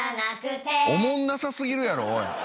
おもんなさ過ぎるやろおい。